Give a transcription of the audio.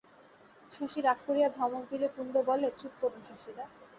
শশী রাগ করিয়া ধমক দিলে কুন্দ বলে, চুপ করুন শশীদা।